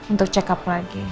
untuk check up lagi